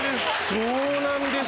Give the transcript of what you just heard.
そうなんです。